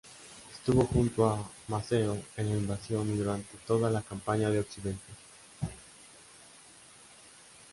Estuvo junto a Maceo en la Invasión y durante toda la Campaña de Occidente.